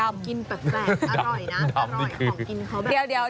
มีของกินแปลกอร่อยนะ